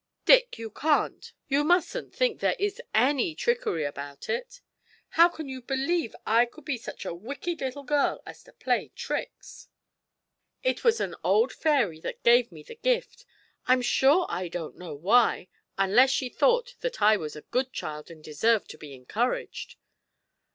'Dick, you can't you mustn't think there is any trickery about it! How can you believe I could be such a wicked little girl as to play tricks? It was an old fairy that gave me the gift. I'm sure I don't know why unless she thought that I was a good child and deserved to be encouraged.'